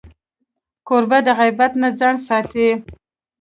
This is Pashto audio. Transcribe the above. کوربه د غیبت نه ځان ساتي.